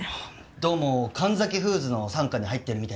どうも神崎フーズの傘下に入ってるみたいなんです。